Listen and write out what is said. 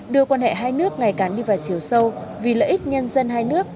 đưa quan hệ hai nước ngày càng đi vào chiều sâu vì lợi ích nhân dân hai nước